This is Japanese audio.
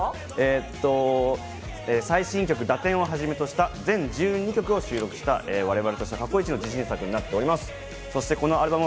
最新曲『堕天』をはじめとした全１２曲を収録した我々として過去イチの自信作となっております。